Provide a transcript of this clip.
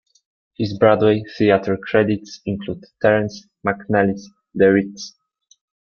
His Broadway theatre credits include Terrence McNally's "The Ritz".